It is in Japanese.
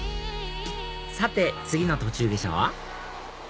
さて次の途中下車は？